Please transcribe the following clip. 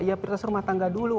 ya prioritas rumah tangga dulu